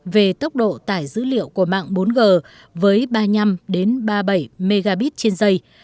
về tốc độ tải dữ liệu của mạng bốn g với ba mươi năm ba mươi bảy mbp trên dây